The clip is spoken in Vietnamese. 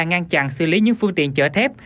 ngăn chặn xử lý những phương tiện chở thép